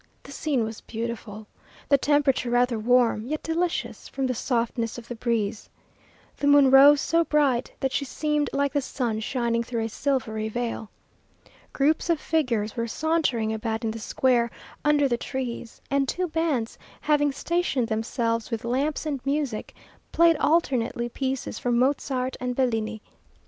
The scene was beautiful, the temperature rather warm, yet delicious from the softness of the breeze. The moon rose so bright that she seemed like the sun shining through a silvery veil. Groups of figures were sauntering about in the square, under the trees, and two bands having stationed themselves with lamps and music, played alternately pieces from Mozart and Bellini.